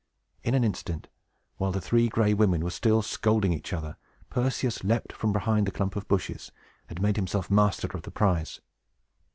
In an instant, while the Three Gray Women were still scolding each other, Perseus leaped from behind the clump of bushes, and made himself master of the prize.